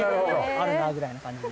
あるなくらいの感じで。